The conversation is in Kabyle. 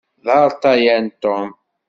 D arṭayan Tom.